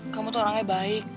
kamu tuh orangnya baik